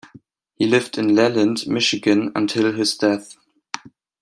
He lived in Leland, Michigan until his death.